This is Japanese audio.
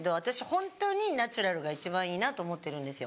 本当にナチュラルが一番いいなと思ってるんですよ。